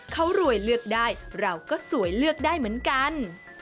เขารวยเลือกได้เราก็สวยเลือกได้เหมือนกัน